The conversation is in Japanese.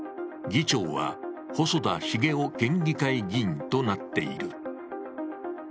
議長は細田重雄県議会議員となっている。